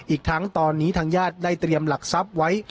อีกทั้งตอนนี้ทางญาติได้เตรียมหลักทรัพย์ไว้